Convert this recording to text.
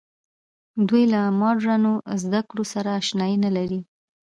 دوی له مډرنو زده کړو سره اشنايي نه لري.